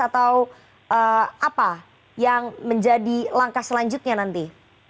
atau apa yang menjadi langkah selanjutnya nanti